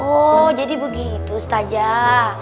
oh jadi begitu ustazah